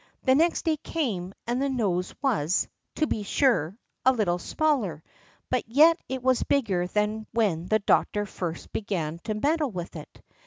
Next day came, and the nose was, to be sure, a little smaller, but yet it was bigger than when the doctor first began to meddle with it.